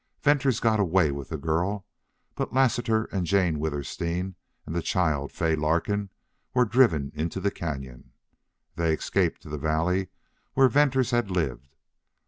Venters got away with the girl. But Lassiter and Jane Withersteen and the child Fay Larkin were driven into the cañon. They escaped to the valley where Venters had lived.